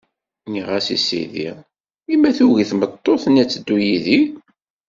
Nniɣ-as i sidi: I ma tugi tmeṭṭut-nni ad d-teddu yid-i?